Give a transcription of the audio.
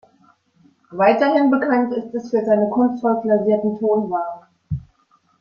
Weiterhin bekannt ist es für seine kunstvoll glasierten Tonwaren.